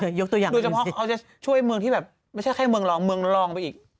ยกตัวอย่างโดยเฉพาะเขาจะช่วยเมืองที่แบบไม่ใช่แค่เมืองรองเมืองรองไปอีก